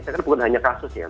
saya kan bukan hanya kasus ya